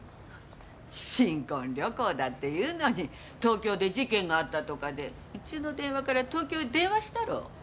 新婚旅行だっていうのに東京で事件があったとかでうちの電話から東京へ電話したろう。